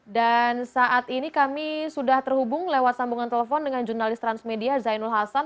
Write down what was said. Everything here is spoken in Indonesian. dan saat ini kami sudah terhubung lewat sambungan telepon dengan jurnalis transmedia zainul hasan